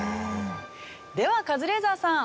ではカズレーザーさん。